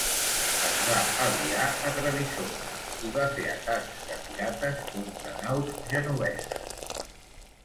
Es va aliar a Trebisonda i va fer atacs de pirates contra naus genoveses.